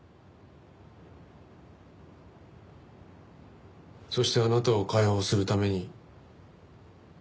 そしてあなたを解放するために谷崎を撃った。